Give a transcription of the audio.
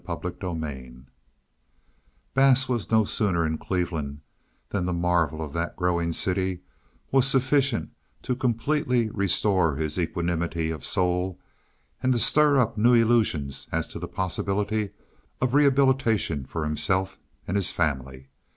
CHAPTER XII Bass was no sooner in Cleveland than the marvel of that growing city was sufficient to completely restore his equanimity of soul and to stir up new illusions as to the possibility of rehabilitation for himself and his family.